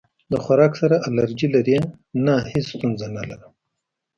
د خوراک سره الرجی لرئ؟ نه، هیڅ ستونزه نه لرم